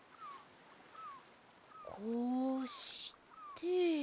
こうして。